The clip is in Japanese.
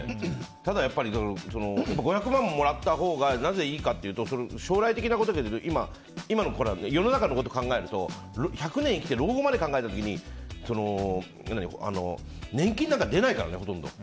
ただ、５００万もらったほうがなぜいいかっていうと今の世の中のことを考えると１００年生きて老後まで考えた時に年金なんか出ないからねほとんど。